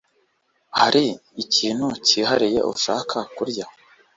Hari ikintu cyihariye ushaka kurya